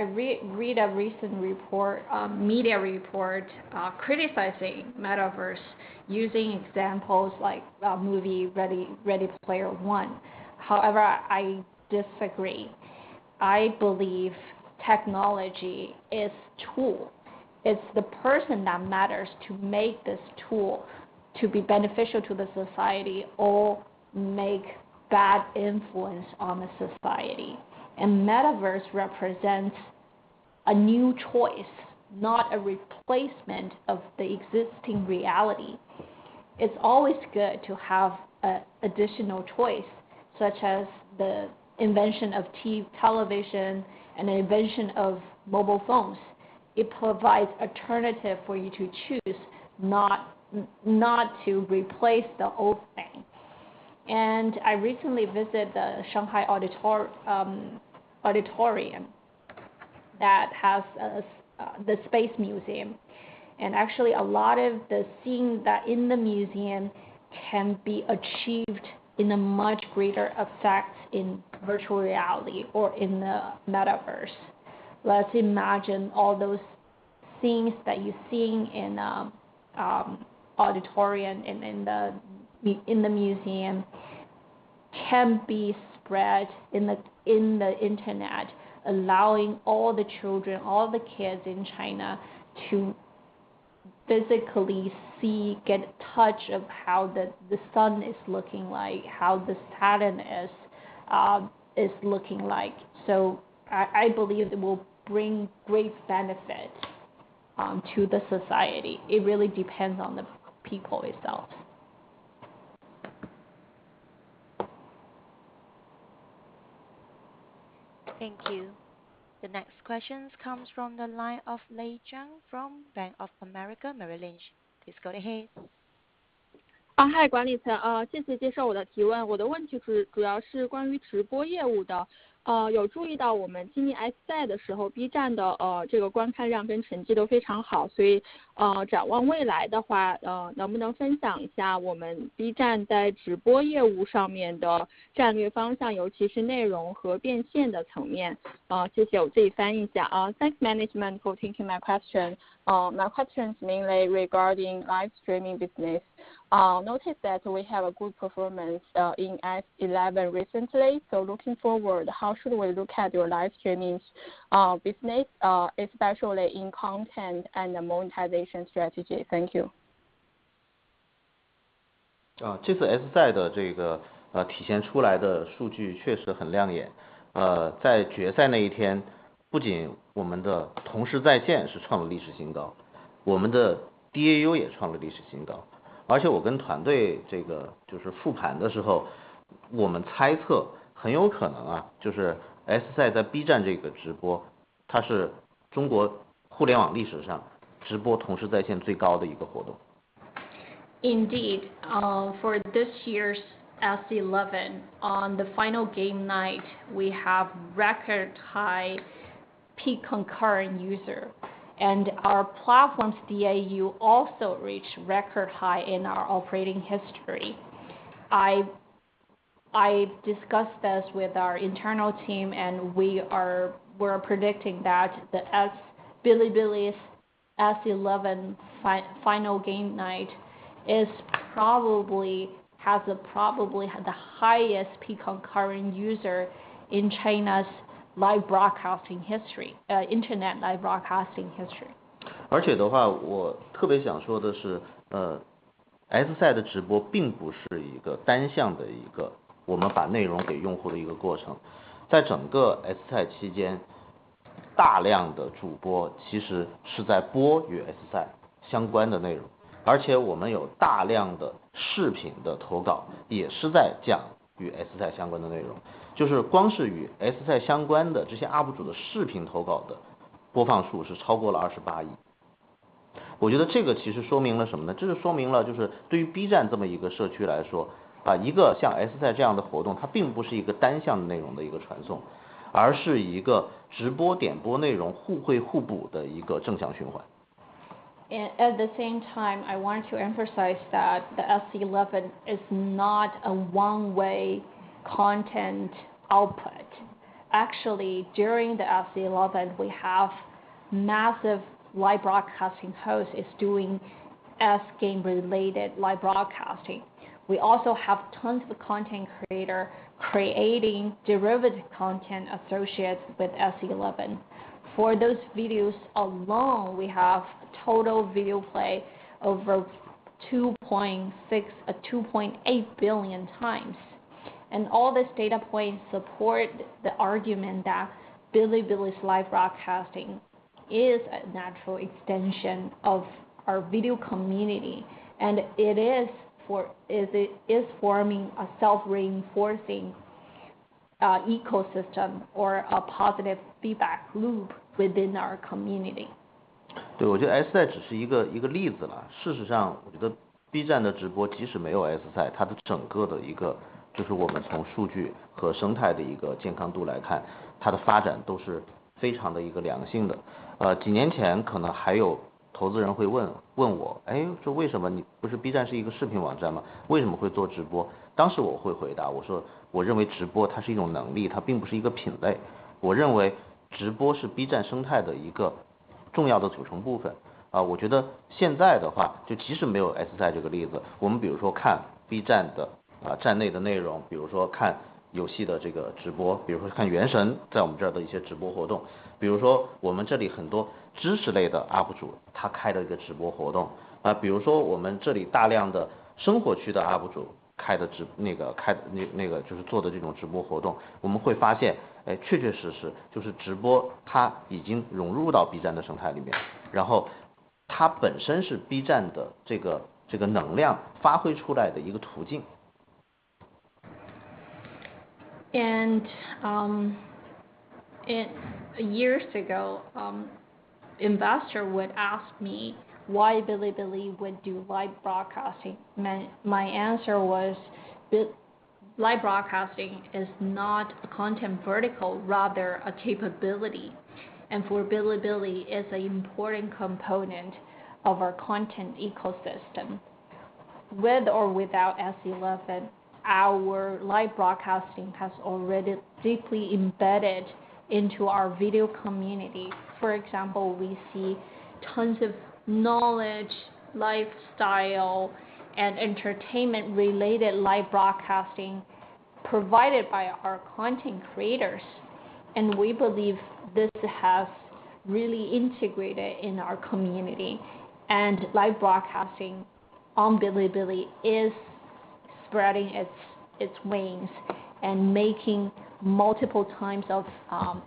re-read a recent report, media report, criticizing Metaverse using examples like movie Ready Player One. However, I disagree. I believe technology is tool. It's the person that matters to make this tool to be beneficial to the society or make bad influence on the society. And Metaverse represents a new choice, not a replacement of the existing reality. It's always good to have additional choice, such as the invention of television and the invention of mobile phones. It provides alternative for you to choose not to replace the old thing. And I recently visit the Shanghai Auditorium that has the Space Museum. Actually a lot of the things that in the museum can be achieved in a much greater effect in virtual reality or in the Metaverse. Let's imagine all those things that you're seeing in a auditorium and in the museum can be spread in the internet, allowing all the children, all the kids in China to physically see, get a touch of how the sun is looking like, how Saturn is looking like. So I believe it will bring great benefit to the society. It really depends on the people itself. Thank you. The next question comes from the line of Lei Zhang from Bank of America Merrill Lynch. Please go ahead. [unintelligible] Thanks management for taking my question. My question is mainly regarding live streaming business. Notice that we have a good performance in S11 recently. Looking forward, how should we look at your live streaming business, especially in content and monetization strategy? Thank you. [unintelligible] Indeed, for this year's S11, on the final game night, we have record high peak concurrent user, and our platform's DAU also reached record high in our operating history. I discussed this with our internal team, and we're predicting that Bilibili's S11 final game night probably has had the highest peak concurrent user in China's live broadcasting history, internet live broadcasting history. [unintelligible] At the same time, I want to emphasize that the S11 is not a one-way content output. Actually, during the S11, we have massive live broadcasting hosts is doing S game related live broadcasting. We also have tons of content creator creating derivative content associated with S11. For those videos alone, we have total video play over 2.8 billion times. And all these data points support the argument that Bilibili's live broadcasting is a natural extension of our video community, and it is forming a self-reinforcing ecosystem or a positive feedback loop within our community. [unintelligible] And [8years ago, investors would ask me why Bilibili would do live broadcasting. My answer was live broadcasting is not a content vertical, rather a capability. For Bilibili, it is an important component of our content ecosystem. With or without S11, our live broadcasting has already deeply embedded into our video community. For example, we see tons of knowledge, lifestyle, and entertainment related live broadcasting provided by our content creators, and we believe this has really integrated in our community. Live broadcasting on Bilibili is spreading its wings and making multiple times of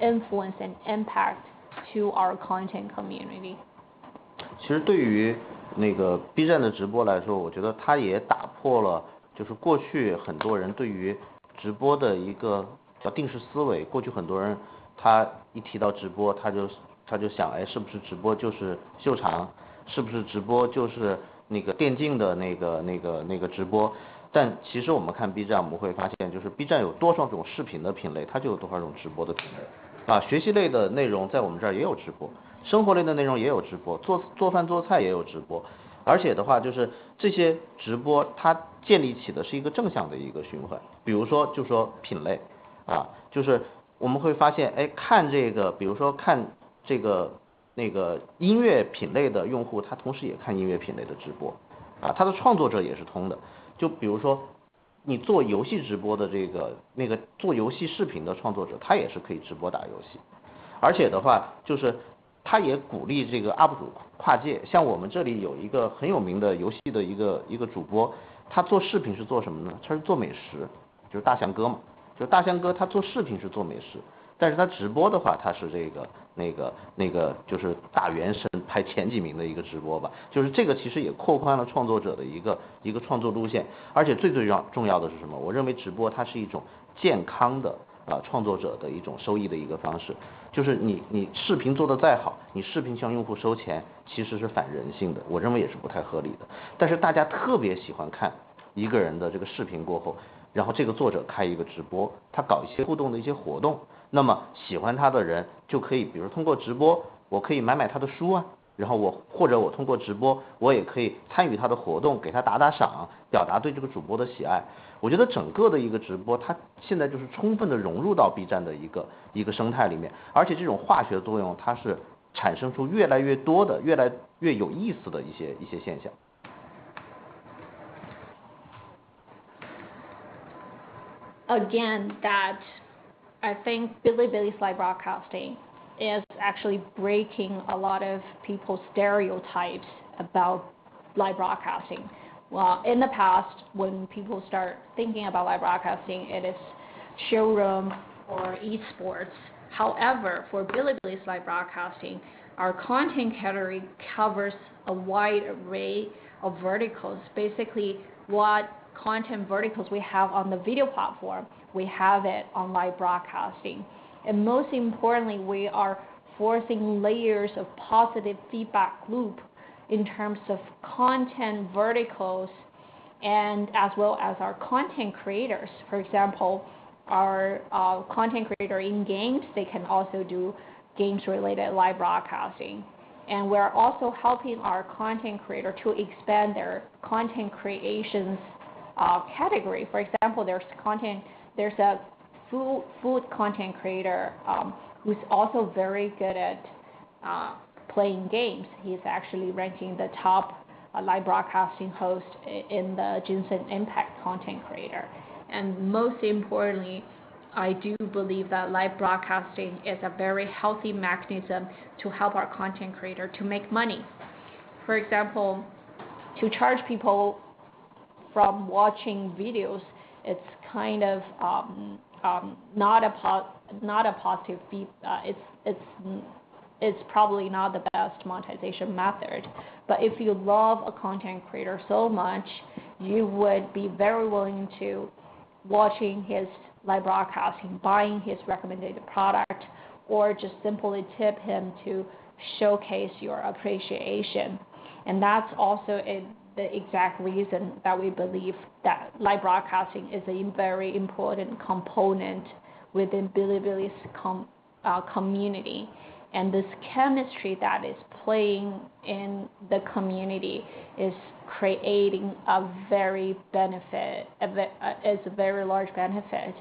influence and impact to our content community. [unintelligible] Again, that I think Bilibili's live broadcasting is actually breaking a lot of people's stereotypes about live broadcasting. While in the past, when people start thinking about live broadcasting, it is showroom or eSports. However, for Bilibili's live broadcasting, our content category covers a wide array of verticals. Basically what content verticals we have on the video platform, we have it on live broadcasting. And most importantly, we are forcing layers of positive feedback loop in terms of content verticals and as well as our content creators. For example, our content creator in games, they can also do games related live broadcasting. And we're also helping our content creator to expand their content creations, category. For example, there's a food content creator, who's also very good at playing games. He's actually ranking the top live broadcasting host in the Genshin Impact content creator. And most importantly, I do believe that live broadcasting is a very healthy mechanism to help our content creator to make money. For example, to charge people from watching videos, it's kind of not a positive feedback, it's probably not the best monetization method, but if you love a content creator so much, you would be very willing to watching his live broadcasting, buying his recommended product, or just simply tip him to showcase your appreciation. And that's also the exact reason that we believe that live broadcasting is a very important component within Bilibili's community. And this chemistry that is playing in the community is creating a very benefit, it's a very large benefit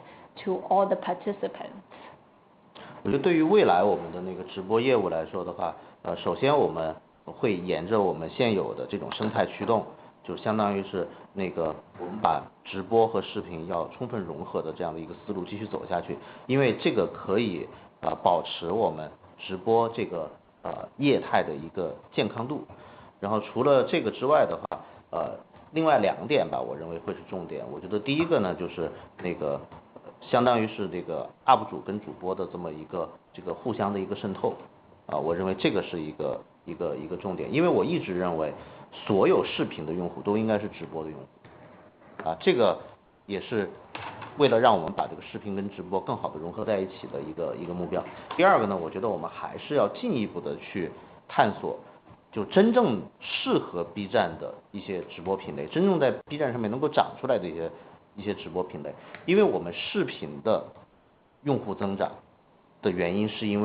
to all the participants. [unintelligible] As we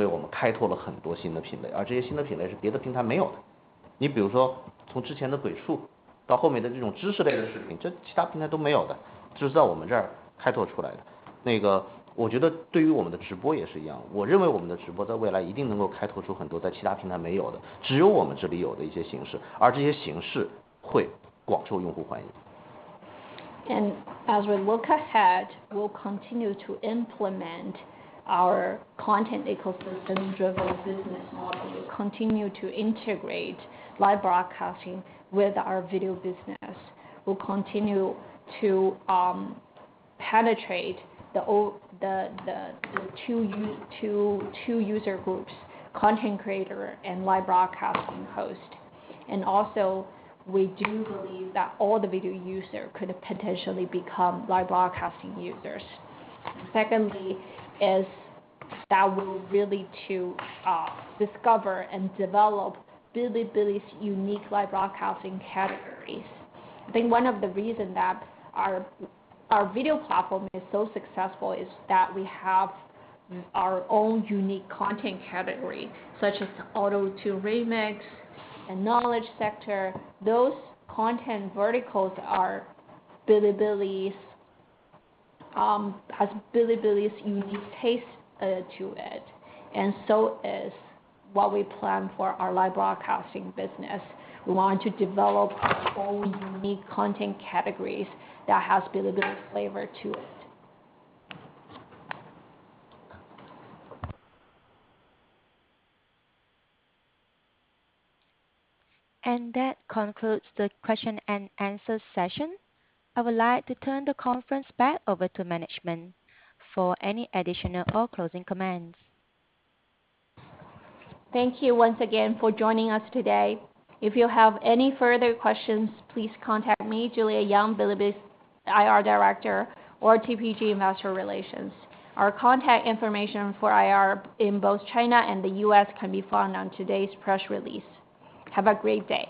look ahead, we'll continue to implement our content ecosystem-driven business model. We'll continue to integrate live broadcasting with our video business. We'll continue to penetrate the two user groups, content creator and live broadcasting host. We also do believe that all the video user could potentially become live broadcasting users. Second, we're ready to discover and develop Bilibili's unique live broadcasting categories. I think one of the reason that our video platform is so successful is that we have our own unique content category, such as o2remix and Knowledge Sector. Those content verticals has Bilibili's unique taste to it. And so it is what we plan for our live broadcasting business. We want to develop our own unique content categories that has Bilibili flavor to it. That concludes the question and answer session. I would like to turn the conference back over to management for any additional or closing comments. Thank you once again for joining us today. If you have any further questions, please contact me, Juliet Yang, Bilibili's IR Director, or The Piacente Group Investor Relations. Our contact information for IR in both China and the U.S. can be found on today's press release. Have a great day.